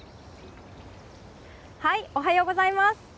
おはようございます。